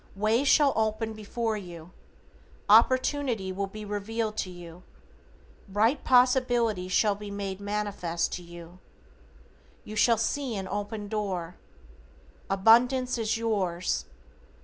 Ways shall open before you. Opportunity will be revealed to you. Bright possibilities shall be made manifest to you. You shall see an open door. Abundance is yours.